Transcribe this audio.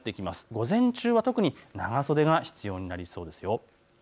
午前中は長袖が必要になりそうですよ。